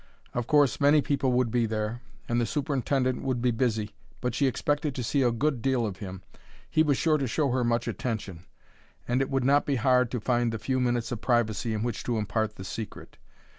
Of course, many people would be there, and the superintendent would be busy, but she expected to see a good deal of him he was sure to show her much attention and it would not be hard to find the few minutes of privacy in which to impart the secret.